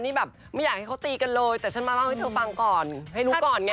นี่แบบไม่อยากให้เขาตีกันเลยแต่ฉันมาเล่าให้เธอฟังก่อนให้รู้ก่อนไง